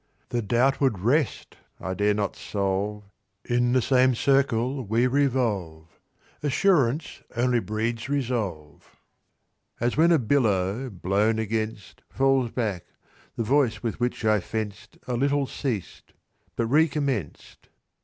"The doubt would rest, I dare not solve. In the same circle we revolve. Assurance only breeds resolve." As when a billow, blown against, Falls back, the voice with which I fenced A little ceased, but recommenced.